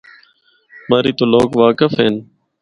مری تو لوگ واقف ہن۔